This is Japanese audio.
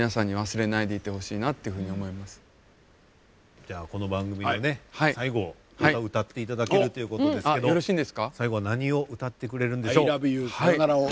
じゃあこの番組のね最後を歌歌っていただけるということですけど最後は何を歌ってくれるんでしょう？